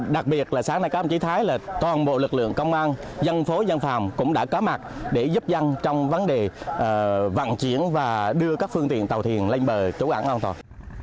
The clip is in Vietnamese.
đặc biệt là sáng nay có một chữ thái là toàn bộ lực lượng công an dân phố dân phòng cũng đã có mặt để giúp dân trong vấn đề vận chuyển và đưa các phương tiện tàu thiền lên bờ chủ ảnh an toàn